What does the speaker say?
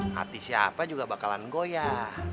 hati siapa juga bakalan goyah